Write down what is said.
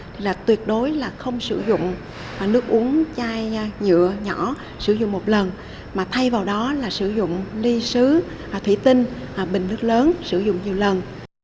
thì là tuyệt đối là không sử dụng nước uống chai nhựa nhỏ sử dụng một lần mà thay vào đó là sử dụng ly sứ thủy tinh bình nước lớn sử dụng nhiều lần